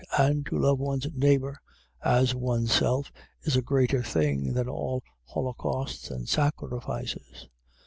And to love one's neighbour as one's self is a greater thing than all holocausts and sacrifices.